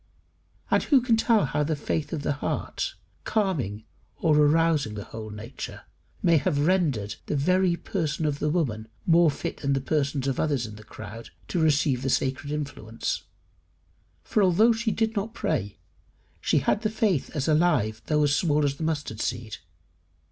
And who can tell how the faith of the heart, calming or arousing the whole nature, may have rendered the very person of the woman more fit than the persons of others in the crowd to receive the sacred influence? For although she did not pray, she had the faith as alive though as small as the mustard seed.